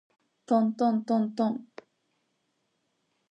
とんとんとんとん